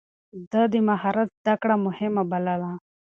ده د مهارت زده کړه مهمه بلله.